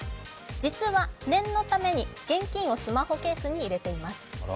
実は、念のために現金をスマホケースに入れています。